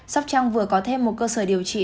sóc trăng vừa có thêm một cơ sở điều trị